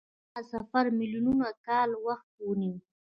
دغه سفر میلیونونه کاله وخت ونیو.